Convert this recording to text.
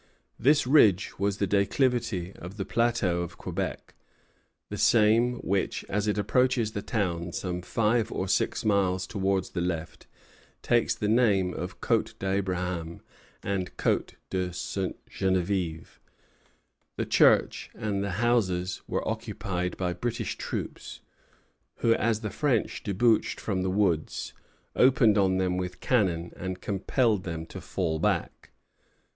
This ridge was the declivity of the plateau of Quebec; the same which as it approaches the town, some five or six miles towards the left, takes the names of Côte d'Abraham and Côte Ste. Geneviève. The church and the houses were occupied by British troops, who, as the French debouched from the woods, opened on them with cannon, and compelled them to fall back.